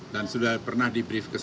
dan sudah pernah di brief ke saya